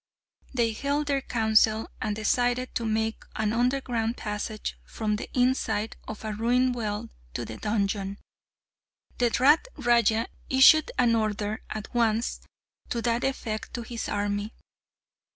They held their council, and decided to make an underground passage from the inside of a ruined well to the dungeon. The rat raja issued an order at once to that effect to his army.